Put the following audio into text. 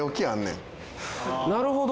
なるほど。